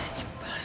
nyibelin banget sih